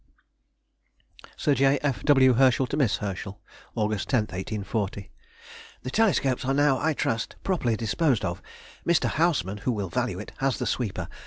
SIR J. F. W. HERSCHEL TO MISS HERSCHEL. August 10, 1840. ... The telescopes are now, I trust, properly disposed of. Mr. Hausmann (who will value it) has the sweeper.